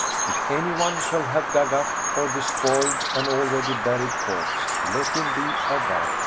"If any one shall have dug up or despoiled an already buried corpse, let him be a varg."